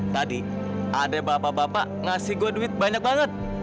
tadi ada bapak bapak ngasih gue duit banyak banget